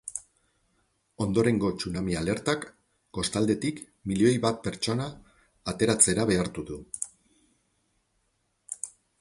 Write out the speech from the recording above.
Ondorengo tsunami alertak kostaldetik milioi bat pertsona ateratzera behartu du.